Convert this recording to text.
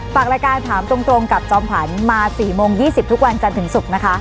ฝากรายการถามตรงกับจอมขวัญมา๔โมง๒๐ทุกวันจันทร์ถึงศุกร์นะคะ